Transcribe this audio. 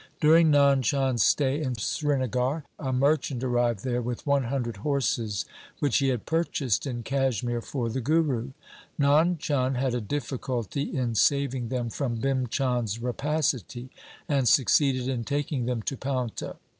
During Nand Chand's stay in Srinagar a merchant arrived there with one hundred horses which he had purchased in Kashmir for the Guru. Nand Chand had a difficulty in saving them from Bhim Chand's rapacity, and succeeded in taking them to Paunta.